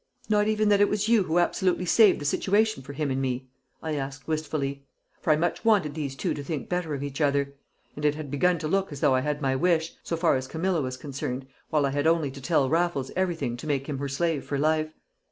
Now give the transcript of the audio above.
"Not even that it was you who absolutely saved the situation for him and me?" I asked, wistfully; for I much wanted these two to think better of each other; and it had begun to look as though I had my wish, so far as Camilla was concerned, while I had only to tell Raffles everything to make him her slave for life.